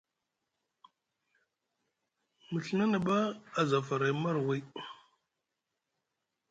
Mu Ɵina na ɓa aza faray marway.